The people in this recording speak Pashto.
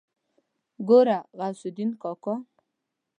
ګوره غوث الدين کاکا.